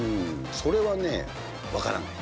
それはね、分からない。